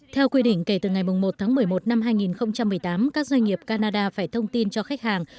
theo quy định kể từ ngày một tháng một mươi một năm hai nghìn một mươi tám các doanh nghiệp canada phải thông tin cho khách hàng